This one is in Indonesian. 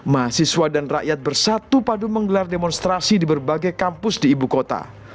mahasiswa dan rakyat bersatu padu menggelar demonstrasi di berbagai kampus di ibu kota